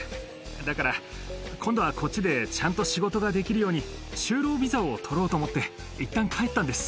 だから、今度はこっちでちゃんと仕事ができるように、就労ビザを取ろうと思って、いったん帰ったんです。